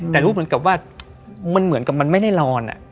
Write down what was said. แต่รู้เหมือนกับว่ามันเหมือนกับมันไม่ได้นอน